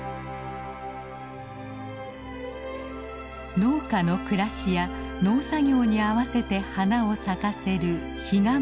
農家の暮らしや農作業に合わせて花を咲かせるヒガンバナ。